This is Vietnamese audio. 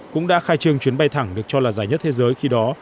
cũng đã khai trương chuyến bay thẳng được cho là dài nhất thế giới khi đó